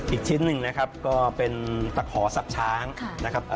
อีกชิ้นหนึ่งนะครับก็เป็นตะขอสับช้างนะครับ